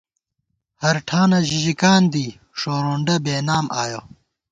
ہر ٹھانہ ژِژِکان دی ، ݭورونڈہ بېنام آیَہ